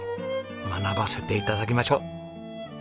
学ばせて頂きましょう。